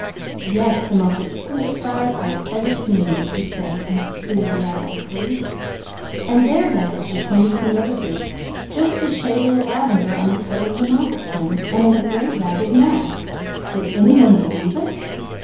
"Yes! The most exquisite flowers I ever have seen!" "And there, Douglas!" She pointed to another group. "Just the shade of the lavender on the toe of the moccasin and in a great ragged mass! Would any one believe it?"